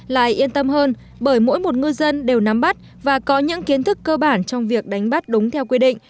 lại yên tâm hơn bởi mỗi một ngư dân đều nắm bắt và có những kiến thức cơ bản trong việc đánh bắt đúng theo quy định